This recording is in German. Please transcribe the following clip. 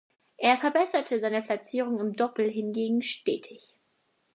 Er verbesserte seine Platzierung im Doppel hingegen stetig.